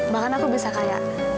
bahkan aku bisa kayak